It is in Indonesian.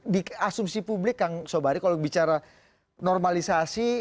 di asumsi publik kang sobari kalau bicara normalisasi